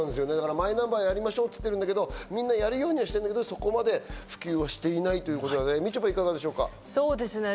マイナンバーやりましょうって言ってるけどみんなやるようにはしてるけど、そこまで普及はしていないということで、みちょぱ、どうでしょう？